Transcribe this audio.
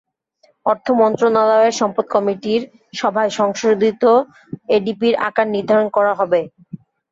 অর্থ মন্ত্রণালয়ের সম্পদ কমিটির সভায় সংশোধিত এডিপির আকার নির্ধারণ করা হবে।